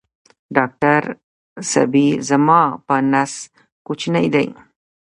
ډاکټر صېبې زما په نس کوچینی دی